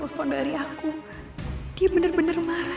aku tau kamu ada di dalam